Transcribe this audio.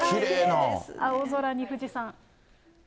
青空に富士山。